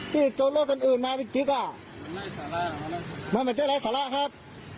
พี่โจรโลกกันอื่นมาพี่จิ๊กอ่ะมันไหล้สาระมันไหล้สาระครับ